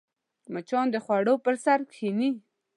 مچان د خوړو پر سر کښېني